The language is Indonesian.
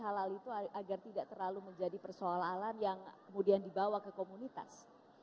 halal itu agar tidak terlalu menjadi persoalan yang kemudian dibawa ke komunitas